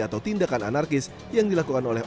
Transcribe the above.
atau tindakan anarkis yang dilakukan oleh